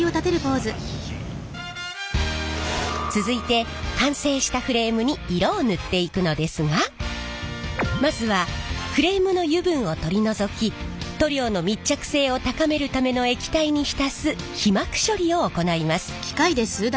続いて完成したフレームに色を塗っていくのですがまずはフレームの油分を取り除き塗料の密着性を高めるための液体に浸す被膜処理を行います。